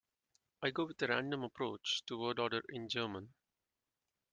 I go with a random approach to word order in German.